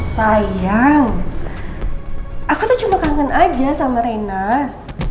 sayang aku tuh cuma kangen aja sama reinhardt